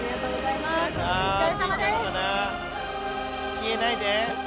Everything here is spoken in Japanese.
消えないで。